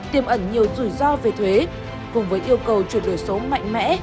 tiêm ẩn nhiều rủi ro về thuế cùng với yêu cầu chuyển đổi số mạnh mẽ